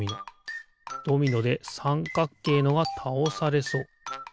ドミノでさんかっけいのがたおされそう。